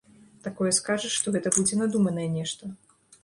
Такое скажаш, што гэта будзе надуманае нешта.